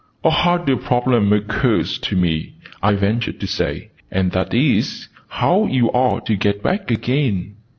"A harder problem occurs to me," I ventured to say: "and that is, how you're to get back again."